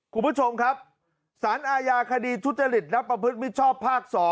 คุณผู้ชมครับสารอาญาคดีทุจริตและประพฤติมิชชอบภาค๒